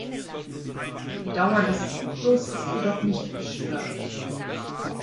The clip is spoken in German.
Die Dauer des Zyklus ist jedoch nicht gestört.